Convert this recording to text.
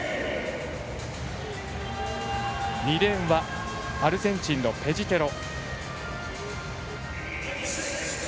２レーンはアルゼンチンのペジテロ。